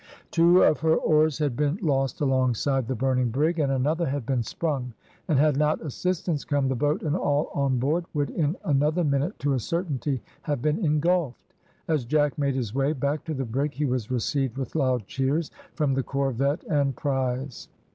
Two of her oars had been lost alongside the burning brig, and another had been sprung; and had not assistance come, the boat and all on board would in another minute to a certainty have been engulfed. As Jack made his way back to the brig he was received with loud cheers from the corvette and prize.